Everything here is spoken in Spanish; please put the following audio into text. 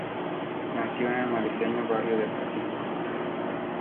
Nació en el madrileño barrio de Pacífico.